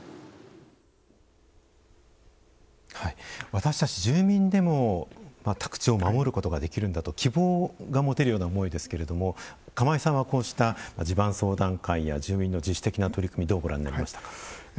私たち、住民でも宅地を守ることができるんだと希望が持てる思いですけど釜井さんはこうした地盤相談会や住民の自主的な取り組みどうご覧になりましたか？